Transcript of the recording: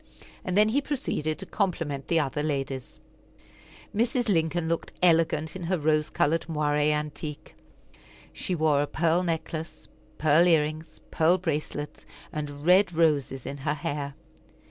And then he proceeded to compliment the other ladies. Mrs. Lincoln looked elegant in her rose colored moiré antique. She wore a pearl necklace, pearl ear rings, pearl bracelets, and red roses in her hair.